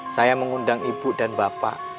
saya mengundang ibu dan bapak